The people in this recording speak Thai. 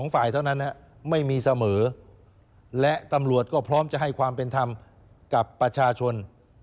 ฝ่ายเท่านั้นไม่มีเสมอและตำรวจก็พร้อมจะให้ความเป็นธรรมกับประชาชน